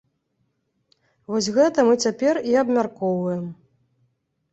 Вось гэта мы цяпер і абмяркоўваем.